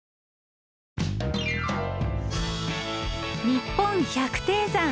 「にっぽん百低山」。